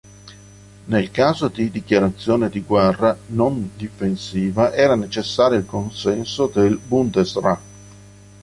Nel caso di dichiarazione di guerra non difensiva era necessario il consenso del "Bundesrat".